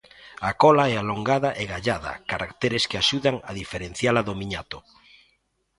A cola é alongada e gallada, caracteres que axudan a diferenciala do miñato.